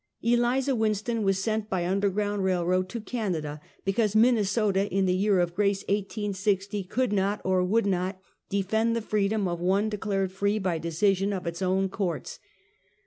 Eliza "Winston was sent by underground railroad to Canada, because Minnesota, in the year of grace, 1860, could not or would not defend the freedom of one de clared free by decision of her own courts.